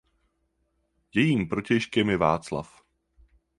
Jejím protějškem je Václav.